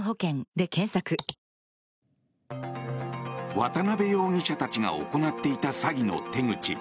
渡邉容疑者たちが行っていた詐欺の手口。